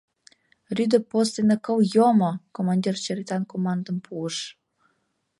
— Рӱдӧ пост дене кыл йомо! — командир черетан командым пуыш.